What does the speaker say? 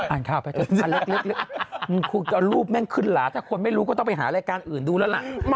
อ่านข้าวไปอเล็กซ์เล็กรูปแม่งขึ้นหลาแต่คนไม่รู้ก็ต้องไปหารายการอื่นดูแล้วล่ะ